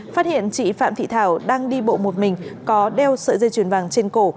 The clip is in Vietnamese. phát hiện chị phạm thị thảo đang đi bộ một mình có đeo sợi dây chuyền vàng trên cổ